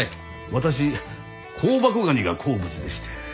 私香箱ガニが好物でして。